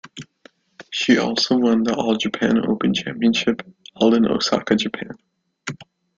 She also won the "All Japan Open Championship" held in Osaka, Japan.